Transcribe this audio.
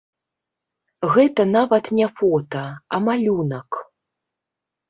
Гэта нават не фота, а малюнак.